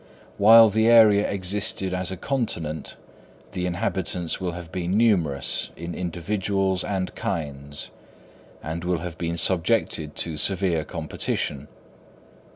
While the area existed as a continent the inhabitants will have been numerous in individuals and kinds, and will have been subjected to severe competition.